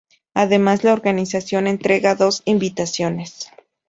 Además la organización entrega dos invitaciones.